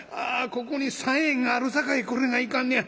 ここに３円があるさかいこれがいかんのや。